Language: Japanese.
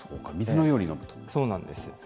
そうなんです。